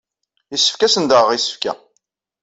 Yessefk ad asen-d-aɣeɣ isefka.